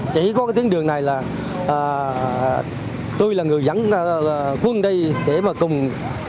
chỉ có cái tuyến đường này là tôi là người dẫn quân đây để mà cùng với lực lượng công an huyện tư nghĩa